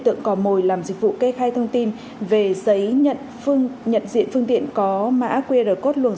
tượng cò mồi làm dịch vụ kê khai thông tin về giấy nhận diện phương tiện có mã qr code luồng